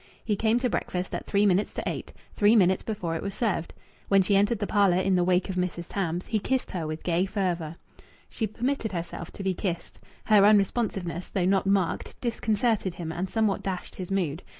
He came to breakfast at three minutes to eight, three minutes before it was served. When she entered the parlour in the wake of Mrs. Tams he kissed her with gay fervour. She permitted herself to be kissed. Her unresponsiveness, though not marked, disconcerted him and somewhat dashed his mood.